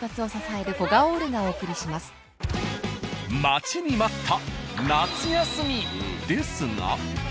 ［待ちに待った夏休み！ですが］